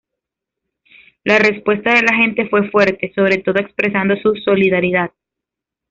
La respuesta de la gente fue fuerte, sobre todo expresando su solidaridad.